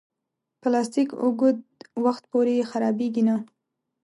پلاستيک اوږد وخت پورې خرابېږي نه.